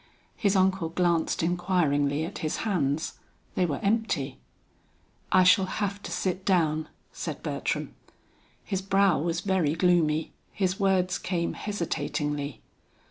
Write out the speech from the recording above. His uncle glanced inquiringly at his hands; they were empty. "I shall have to sit down," said Bertram; his brow was very gloomy, his words came hesitatingly.